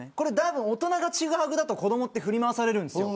大人がちぐはぐだと子どもが振り回されるんです。